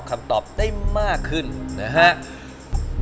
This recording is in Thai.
ในการได้ตอบได้มากขึ้นนะครับ